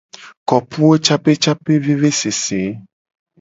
Kopuwocapecapevevesese.